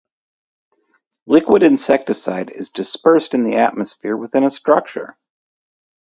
Liquid insecticide is dispersed in the atmosphere within a structure.